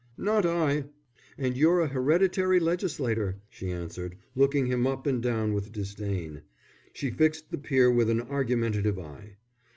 "Not I!" "And you're a hereditary legislator," she answered, looking him up and down with disdain. She fixed the peer with an argumentative eye.